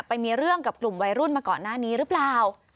ไปมีเรื่องกับกลุ่มวัยรุ่นมาก่อนหน้านี้หรือเปล่า